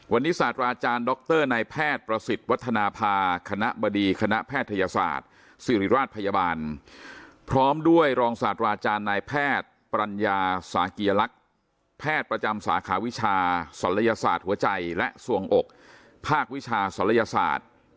วันนี้ศาสตราอาจารย์ดรนายแพทย์ประสิทธิ์วัฒนภาคณะบดีคณะแพทยศาสตร์ศิริราชพยาบาลพร้อมด้วยรองศาสตราอาจารย์นายแพทย์ปรัญญาสากิยลักษณ์แพทย์ประจำสาขาวิชาศัลยศาสตร์หัวใจและส่วงอกภาควิชาศัลยศาสตร์